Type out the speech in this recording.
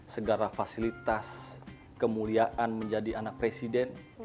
segala fasilitas kemuliaan menjadi anak presiden